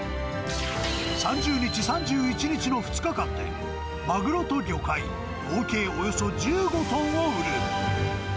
３０日、３１日の２日間で、マグロと魚介、合計およそ１５トンを売る。